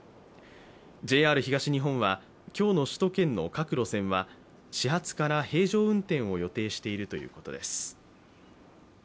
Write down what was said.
ＪＲ東日本は今日の首都圏の各路線は始発から平常運転を予定しているということです。